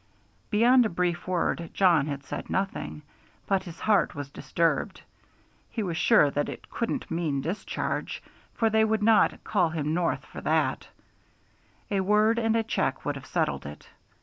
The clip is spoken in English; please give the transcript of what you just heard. Beyond a brief word Jawn had said nothing, but his heart was disturbed. He was sure that it couldn't mean discharge, for they would not call him north for that a word and a check would have settled it.